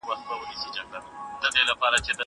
زه بايد وخت ونیسم!؟